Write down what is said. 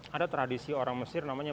ada tradisi orang mesir namanya